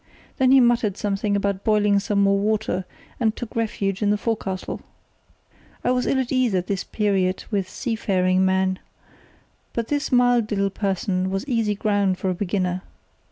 Then he muttered something about boiling some more water, and took refuge in the forecastle. I was ill at ease at this period with seafaring men, but this mild little person was easy ground for a beginner.